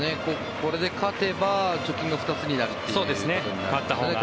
これで勝てば貯金が２つになるということになりますね。